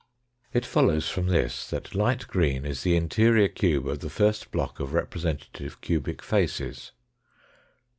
It follows from this that light green is the interior cube of the first block of representative cubic faces.